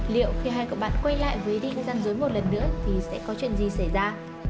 liệu khi hai cậu bạn quay lại với ý định gian dối một lần nữa thì sẽ có chuyện gì xảy ra